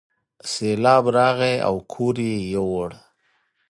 سیلاب راغی او کور یې یووړ.